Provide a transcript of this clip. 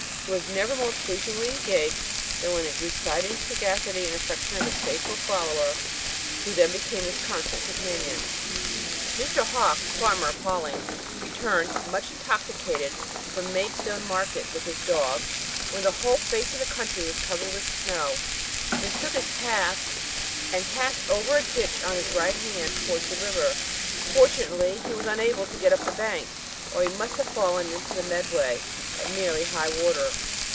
He was never more pleasingly engaged than when reciting the sagacity and affection of his faithful follower, who then became his constant companion. Mr. Hawkes, farmer of Halling, returning much intoxicated from Maidstone market, with his dog, when the whole face of the country was covered with snow, mistook his path, and passed over a ditch on his right hand towards the river; fortunately he was unable to get up the bank, or he must have fallen into the Medway, at nearly high water.